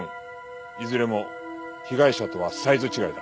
いずれも被害者とはサイズ違いだ。